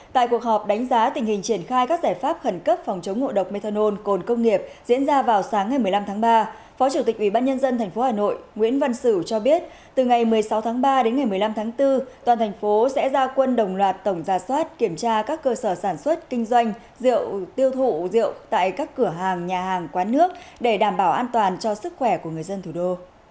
tại cuộc họp đánh giá tình hình triển khai các giải pháp khẩn cấp phòng chống ngộ độc methanol cồn công nghiệp diễn ra vào sáng ngày một mươi năm tháng ba phó chủ tịch ubnd tp hà nội nguyễn văn sử cho biết từ ngày một mươi sáu tháng ba đến ngày một mươi năm tháng bốn toàn thành phố sẽ ra quân đồng loạt tổng gia soát kiểm tra các cơ sở sản xuất kinh doanh rượu tiêu thụ rượu tại các cửa hàng nhà hàng quán nước để đảm bảo an toàn cho sức khỏe của người dân thủ đô